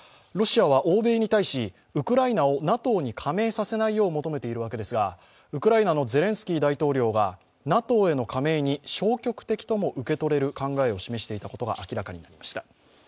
ロシアは欧米に対し、ウクライナをＮＡＴＯに加盟させないよう求めているわけですがウクライナのゼレンスキー大統領がＮＡＴＯへの加盟に消極的とも受け取れる考えを示していたことが明らかになりました。